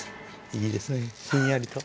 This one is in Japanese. いいですねひんやりと。